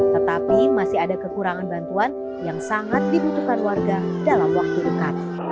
tetapi masih ada kekurangan bantuan yang sangat dibutuhkan warga dalam waktu dekat